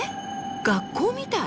学校みたい。